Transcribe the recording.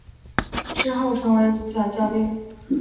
之后成为足球教练。